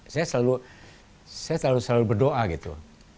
saya selalu berdoa gitu